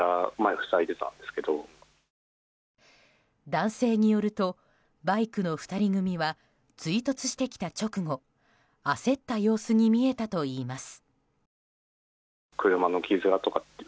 男性によるとバイクの２人組は追突してきた直後焦った様子に見えたといいます。